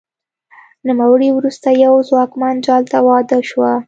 نوموړې وروسته یوه ځواکمن جال ته واده شوه